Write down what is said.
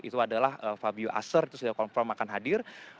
itu adalah fabio aser itu sudah confirm akan hadir